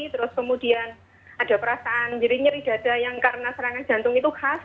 terus kemudian ada perasaan nyeri nyeri dada yang karena serangan jantung itu khas